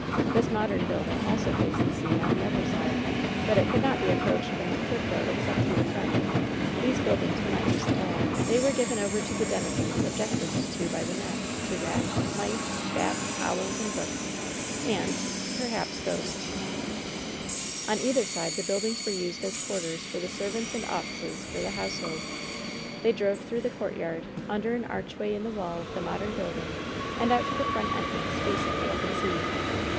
This modern building also faced the sea, on the other side, but it could not be ap proached from the cliff road except through the front. These buildings were not used at all. They were given over to the denizens objected to by Wynnette — ^to rats, mice, bats, owls and rooks, and — ^perhaps ghosts. 186 LOVE'S BITTEREST CUP On either side the buildings were used as quarters for the servants and offices for the household. They drove through the courtyard, under an archway in the wall of the modem building, and out to the front entrance, facing the open sea.